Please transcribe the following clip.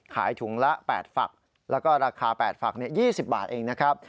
ขายถุงละ๘ฝักแล้วก็ราคา๘ฝัก๒๐บาทเองนะครับ